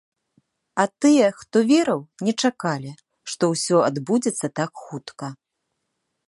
А тыя, хто верыў, не чакалі, што ўсё адбудзецца так хутка.